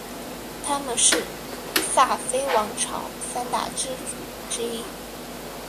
他们是萨非王朝三大支柱之一。